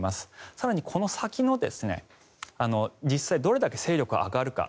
更にこの先の実際どれだけ勢力が上がるか。